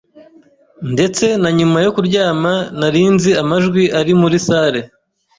Ndetse na nyuma yo kuryama, nari nzi amajwi ari muri salle.